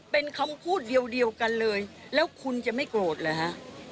เป็นคำพูดเดียวกันเลยแล้วคุณจะไม่โกรธเหรอฮะ